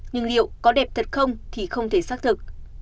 nhưng liệu có đẹp thật không thì không thể xác thực